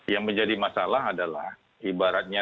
yang menjadi masalah adalah ibaratnya